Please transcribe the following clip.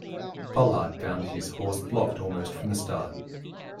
Pollard found his horse blocked almost from the start.